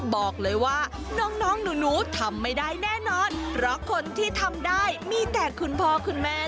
บอกเลยว่าน้องหนูทำไม่ได้แน่นอนเพราะคนที่ทำได้มีแต่คุณพ่อคุณแม่